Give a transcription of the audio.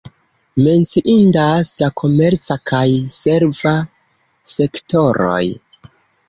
Menciindas la komerca kaj serva sektoroj.